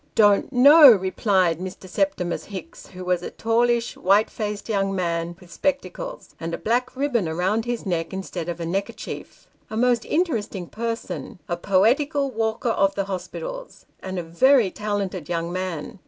" Don't know," replied Mr. Septimus Hicks, who was a tallish, white faced young man, with spectacles, and a black ribbon round his neck instead of a neckerchief a most interesting person ; a poetical walker of the hospitals, and a " very talented young man."